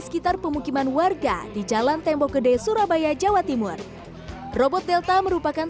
sekitar pemukiman warga di jalan tembok gede surabaya jawa timur robot delta merupakan